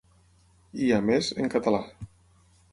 I, a més, en català.